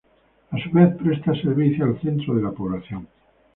A su vez presta servicio al centro de la población.